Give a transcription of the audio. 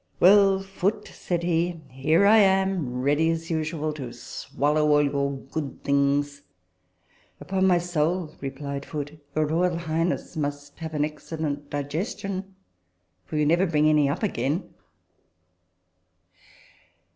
" Well, Foote," said he, " here I am, ready, as usual, to swallow all your good things." " Upon my soul," replied Foote, " your Royal Highness must have an excellent digestion, for you never bring any up again."